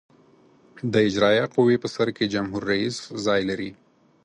د اجرائیه قوې په سر کې جمهور رئیس ځای لري.